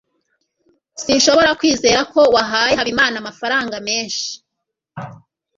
Sinshobora kwizera ko wahaye Habimana amafaranga menshi.